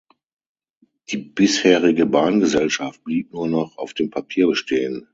Die bisherige Bahngesellschaft blieb nur noch auf dem Papier bestehen.